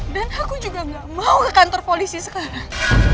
dan aku juga gak mau ke kantor polisi sekarang